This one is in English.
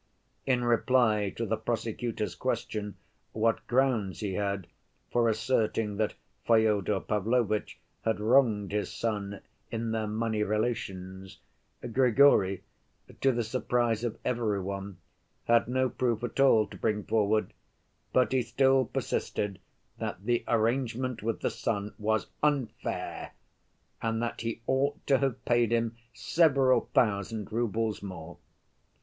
In reply to the prosecutor's question what grounds he had for asserting that Fyodor Pavlovitch had wronged his son in their money relations, Grigory, to the surprise of every one, had no proof at all to bring forward, but he still persisted that the arrangement with the son was "unfair," and that he ought "to have paid him several thousand roubles more."